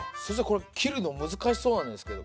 これ切るの難しそうなんですけど。